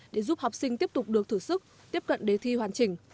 để giúp học sinh tiếp tục được thử sức tiếp cận đề thi hoàn chỉnh